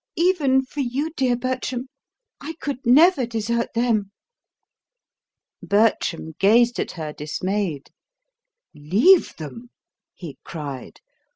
Even for you, dear Bertram, I could never desert them." Bertram gazed at her dismayed. "Leave them!" he cried.